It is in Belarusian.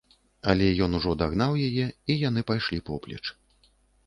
Але ён ужо дагнаў яе, і яны пайшлі поплеч.